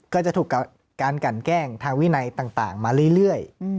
ก็จะถูกการกันแกล้งทางวินัยต่างมาเรื่อย